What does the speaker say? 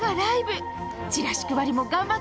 チラシ配りも頑張って！